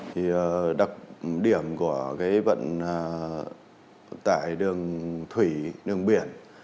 thì đặc điểm của cái vận tải đường thủy đường biển